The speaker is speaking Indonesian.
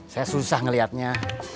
saya susah ngelihatnya